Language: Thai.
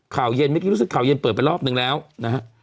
ข่าวเย็นเมื่อกี้รู้สึกข่าวเย็นเปิดไปรอบนึงแล้วนะฮะ